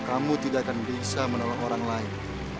kamu tidak akan bisa menolong orang lain